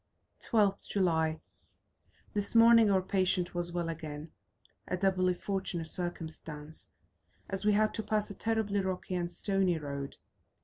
12th July. This morning our patient was well again; a doubly fortunate circumstance, as we had to pass a terribly rocky and stony road.